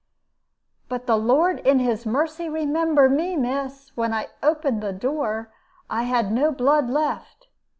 "But the Lord in His mercy remember me, miss! When I opened the door, I had no blood left.